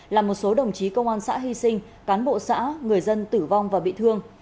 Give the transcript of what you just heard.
làm một số đồng chí công an xã hy sinh cán bộ xã người dân tử vong và bị thương